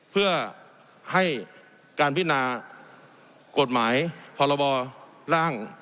เพื่อให้การพิจารณากฎหมายภาระบอลร่าง